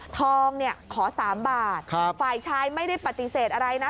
ทองเนี่ยขอ๓บาทฝ่ายชายไม่ได้ปฏิเสธอะไรนะ